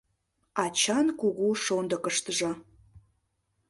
Ачан кугу шондыкыштыжо